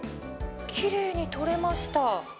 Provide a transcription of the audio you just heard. きれいに取れました。